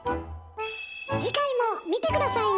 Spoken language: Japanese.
次回も見て下さいね！